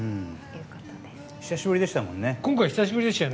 久しぶりでしたもんね。